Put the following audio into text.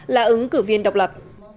là ứng cử viên độc lập